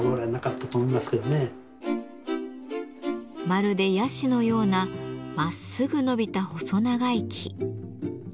まるでヤシのようなまっすぐ伸びた細長い木。